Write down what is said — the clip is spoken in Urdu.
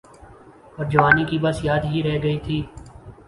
اورجوانی کی بس یاد ہی رہ گئی تھی۔